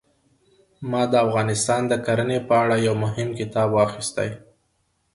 ما د افغانستان د کرنې په اړه یو مهم کتاب واخیستی.